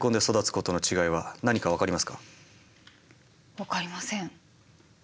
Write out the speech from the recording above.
分かりません。